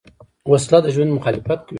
وسله د ژوند مخالفت کوي